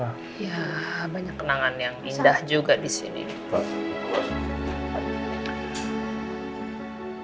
ya banyak kenangan yang indah juga disini